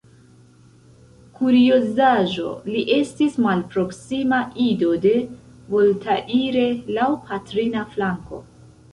Kuriozaĵo: li estis malproksima ido de Voltaire, laŭ patrina flanko.